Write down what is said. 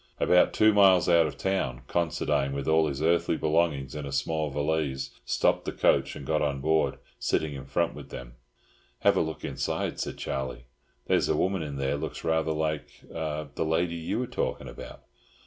About two miles out of town Considine, with all his earthly belongings in a small valise, stopped the coach and got on board, sitting in front with them. "Have a look inside," said Charlie. "There's a woman in there looks rather like—the lady you were talking about."